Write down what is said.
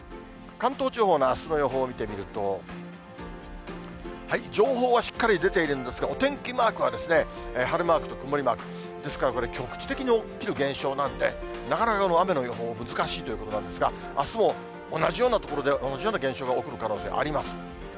関東地方のあすの予報を見てみると、情報はしっかり出ているんですが、お天気マークは晴れマークと曇りマーク、ですから、これ、局地的に起きる現象なんで、なかなかこの雨の予報、難しいということなんですが、あすも同じような所で同じような現象が起こる可能性あります。